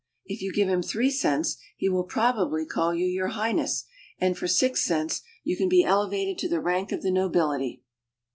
If you give him three cents he will probably call you "your Highness," and for six cents you can be elevated to the rank of the nobility.